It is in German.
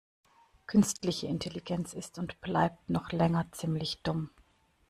Künstliche Intelligenz ist und bleibt noch länger ziemlich dumm.